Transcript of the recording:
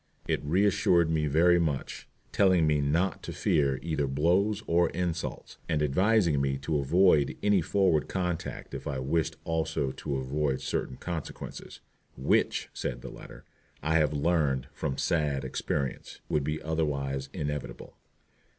It reassured me very much, telling me not to fear either blows or insults, and advising me to avoid any forward conduct if I wished also to avoid certain consequences, "which," said the writer, "I have learned from sad experience," would be otherwise inevitable.